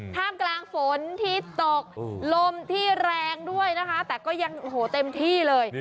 ท่ามกลางฝนที่ตกลมที่แรงด้วยนะคะแต่ก็ยังโอ้โหเต็มที่เลย